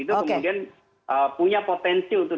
itu kemudian punya potensi untuk